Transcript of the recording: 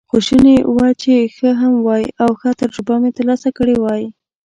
خو شوني وه چې ښه هم وای، او ښه تجربه مې ترلاسه کړې وای.